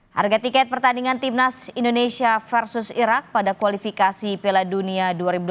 harga tiket pertandingan tim nas indonesia versus irak pada kualifikasi piala dunia dua ribu dua puluh enam